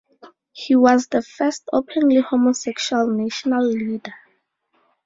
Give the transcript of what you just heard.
He was the first openly homosexual national leader.